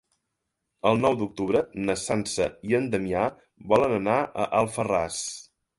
El nou d'octubre na Sança i en Damià volen anar a Alfarràs.